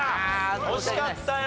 惜しかったよ。